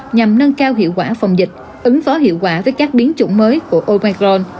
nhằm nâng cao hiệu quả phòng dịch ứng phó hiệu quả với các biến chủng mới của obacron